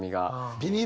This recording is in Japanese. ビニール